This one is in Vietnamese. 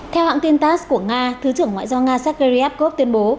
theo hãng tin tass của nga thứ trưởng ngoại giao nga sergei ryabkov tuyên bố